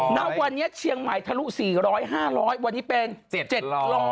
ณวันนี้เชียงใหม่ทะลุ๔๐๐๕๐๐วันนี้เป็น๗๐๐